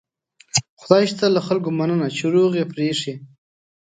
خدای شته له خلکو مننه چې روغ یې پرېښي.